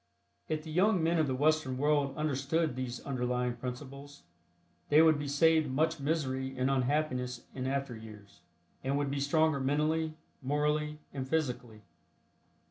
If the young men of the Western world understood these underlying principles they would be saved much misery and unhappiness in after years, and would be stronger mentally, morally and physically.